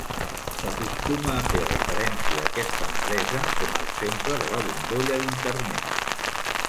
S'acostuma a fer referència a aquesta empresa com a exemple de la bombolla d'Internet.